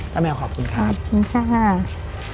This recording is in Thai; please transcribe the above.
ป้าแมวขอบคุณครับขอบคุณค่ะขอบคุณค่ะ